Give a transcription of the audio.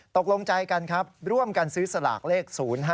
ตกลงใจกันครับร่วมกันซื้อสลากเลข๐๕